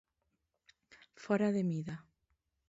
Fora de mida.